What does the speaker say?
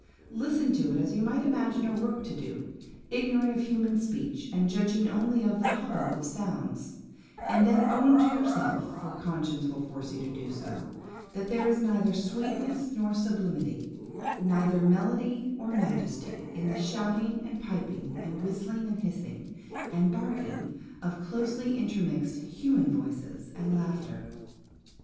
Listen to it, as you might imagine a rook to do, ignorant of human speech, and judging only of the hubbub of sounds; and then own to yourself–for conscience will force you so to do–that there is neither sweetness nor sublimity, neither melody or majesty, in the shouting, and piping, and whistling, and hissing, and barking, of closely intermixed human voices and laughter.